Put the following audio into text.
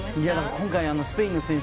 今回スペインの選手